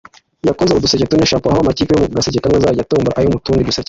yakoze uduseke tune (chapeau) aho amakipe yo mu gaseke kamwe azajya atombora ayo mu tundi duseke